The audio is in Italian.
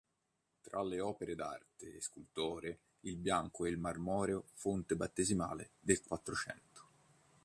Tra le opere d'arte e scultoree il bianco e marmoreo fonte battesimale del Quattrocento.